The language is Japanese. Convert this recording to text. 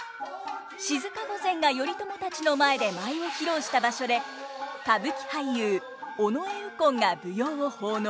静御前が頼朝たちの前で舞を披露した場所で歌舞伎俳優尾上右近が舞踊を奉納。